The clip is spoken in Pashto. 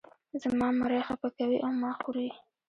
زما مرۍ خپه کوې او ما خورې.